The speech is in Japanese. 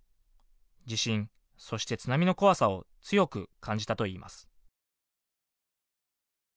地震、そして津波の怖さを強く感じたといいます。